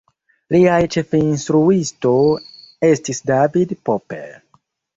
Liaj ĉefinstruisto estis David Popper.